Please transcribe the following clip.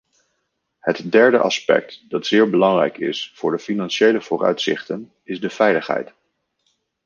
Het derde aspect dat zeer belangrijk is voor de financiële vooruitzichten, is de veiligheid.